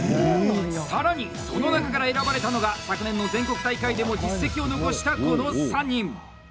更に、その中から選ばれたのが昨年の全国大会でも実績を残したこの３人！